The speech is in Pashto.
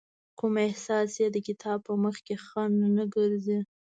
کوم احساس يې د کتاب په مخکې خنډ نه ګرځي.